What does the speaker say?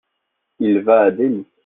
Il va à Delhi ?